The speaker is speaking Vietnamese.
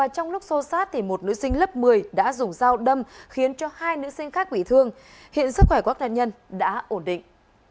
trong lúc xô xát một nữ sinh lớp một mươi đã dùng dao đâm khiến cho hai nữ sinh khác bị thương hiện sức khỏe của các thân nhân đã ổn định